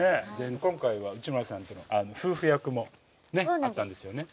今回は内村さんとの夫婦役もねあったんですよね。